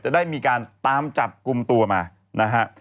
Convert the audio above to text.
ได้มีการตามจับกลุ่มตัวมานะฮะ